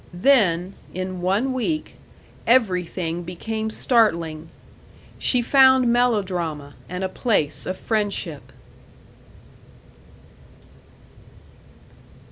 Then, in one week, everything became startling she found melodrama and a place of friendship.